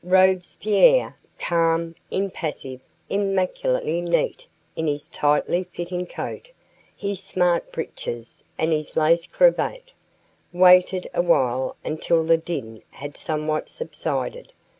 Robespierre, calm, impassive, immaculately neat in his tightly fitting coat, his smart breeches, and his lace cravat, waited awhile until the din had somewhat subsided.